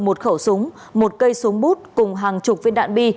một khẩu súng một cây súng bút cùng hàng chục viên đạn bi